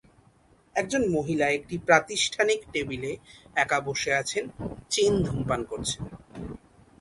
একজন মহিলা একটি প্রাতিষ্ঠানিক টেবিলে একা বসে আছেন, চেইন ধূমপান করছেন।